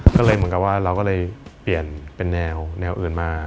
ก็เลยเหมือนกับว่าเราก็เลยเปลี่ยนเป็นแนวแนวอื่นมา